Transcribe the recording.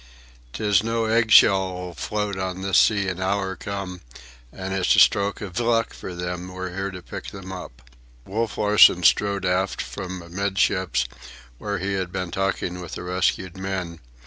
"'Tis no egg shell'll float on this sea an hour come, an' it's a stroke iv luck for them we're here to pick 'em up." Wolf Larsen strode aft from amidships, where he had been talking with the rescued men.